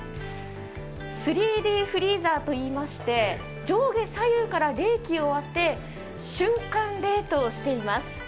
３Ｄフリーザーといいまして上下左右から冷気を当て、瞬間冷凍しています。